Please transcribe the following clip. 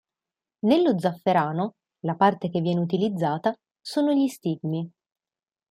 Nello zafferano, la parte che viene utilizzata, sono gli stigmi.